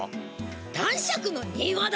男爵の庭だ。